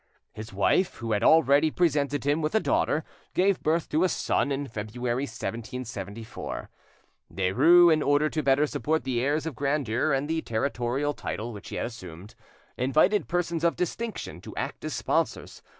His wife, who had already presented him with a daughter, gave birth to a son in February 1774. Derues, in order to better support the airs of grandeur and the territorial title which he had assumed, invited persons of distinction to act as sponsors.